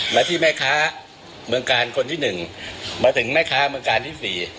และที่แม่ค้าเมืองกาลคนที่๑มาถึงแม่ค้าเมืองกาลที่๔